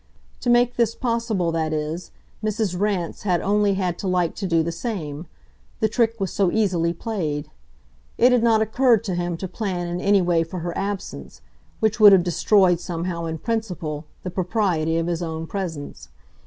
To make this possible, that is, Mrs. Rance had only had to like to do the same the trick was so easily played. It had not occurred to him to plan in any way for her absence which would have destroyed, somehow, in principle, the propriety of his own presence.